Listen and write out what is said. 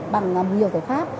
bằng nhiều thể pháp